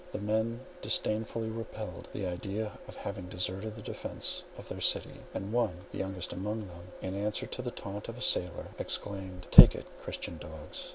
The men disdainfully repelled the idea of having deserted the defence of their city; and one, the youngest among them, in answer to the taunt of a sailor, exclaimed, "Take it, Christian dogs!